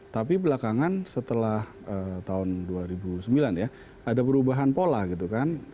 tapi belakangan setelah tahun dua ribu sembilan ya ada perubahan pola gitu kan